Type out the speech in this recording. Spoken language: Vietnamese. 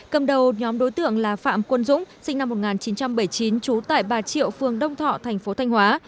cầm đầu nhóm đối tượng là phạm quân dũng sinh năm một nghìn chín trăm bảy mươi chín trú tại bà triệu phương đông thọ tp thanh hóa